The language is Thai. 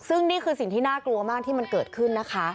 ซึ่งนี่คือสิ่งที่น่ากลัวมากที่มันเกิดขึ้นนะคะ